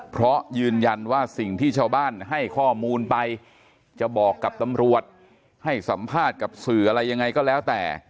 เพราะยืนยันว่าสิ่งที่ชาวบ้านให้ข้อมูลไปจะบอกกับตำรวจให้สัมภาษณ์กับสื่ออะไรยังไงก็แล้วแต่